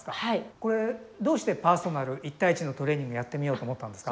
これどうしてパーソナル１対１のトレーニングやってみようと思ったんですか？